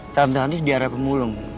tante andis di area pemulung